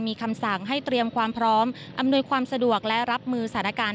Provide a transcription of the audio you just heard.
มีคำสั่งให้เตรียมความพร้อมอำนวยความสะดวกและรับมือสถานการณ์